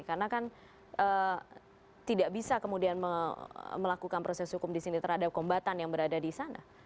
karena kan tidak bisa kemudian melakukan proses hukum di sini terhadap kombatan yang berada di sana